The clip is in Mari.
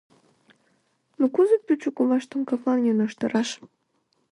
Но кузе пӱчӧ коваштым каплан йӧнештараш?